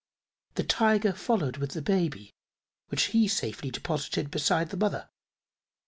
The Tiger followed with the baby, which he safely deposited beside its mother.